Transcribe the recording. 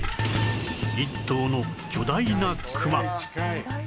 １頭の巨大なクマ